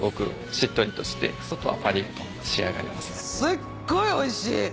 すっごいおいしい！